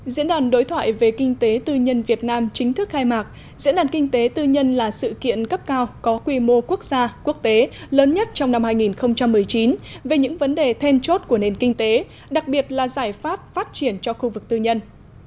diễn đàn đối thoại về kinh tế tư nhân việt nam chính thức khai mạc diễn đàn kinh tế tư nhân là sự kiện cấp cao có quy mô quốc gia quốc tế lớn nhất trong năm hai nghìn một mươi chín về những vấn đề then chốt của nền kinh tế đặc biệt là giải pháp phát triển cho khu vực tư nhân